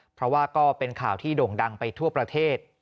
เพราะว่าก็เป็นข่าวที่โด่งดังไปทั่วประเทศ